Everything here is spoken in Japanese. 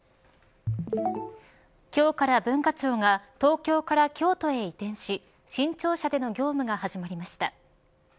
今日から文化庁が東京から京都へ移転し新庁舎での業務が始まりました。